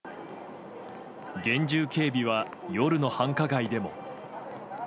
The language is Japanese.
厳重警備は夜の繁華街でも。